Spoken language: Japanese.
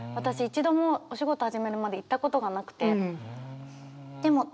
一度もお仕事始めるまで行ったことがなくて。